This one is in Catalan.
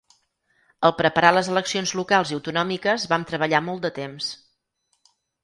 Al preparar les eleccions locals i autonòmiques vam treballar molt de temps.